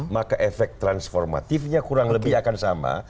maka efek transformatifnya kurang lebih akan sama